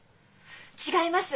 違います！